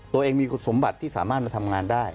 ตัวเองมีคุณสมบัติที่สามารถมาทำงานได้